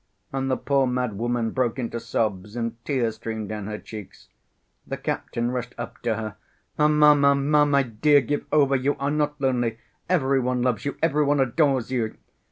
And the poor mad woman broke into sobs, and tears streamed down her cheeks. The captain rushed up to her. "Mamma, mamma, my dear, give over! You are not lonely. Every one loves you, every one adores you."